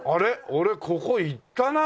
俺ここ行ったなあ！